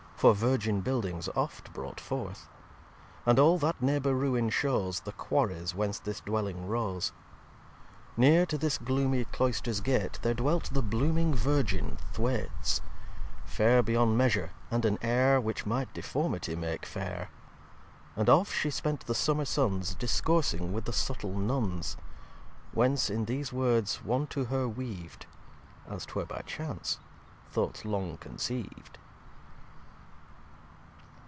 For Virgin Buildings oft brought forth. And all that Neighbour Ruine shows The Quarries whence this dwelling rose. xii Near to this gloomy Cloysters Gates There dwelt the blooming Virgin Thwates, Fair beyond Measure, and an Heir Which might Deformity make fair. And oft She spent the Summer Suns Discoursing with the Suttle Nunns. Whence in these Words one to her weav'd, (As 'twere by Chance) Thoughts long conceiv'd.